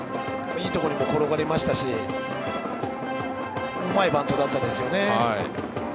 いいところにも転がりましたしうまいバントでしたね。